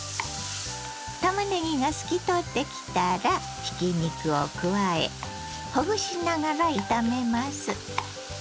たまねぎが透き通ってきたらひき肉を加えほぐしながら炒めます。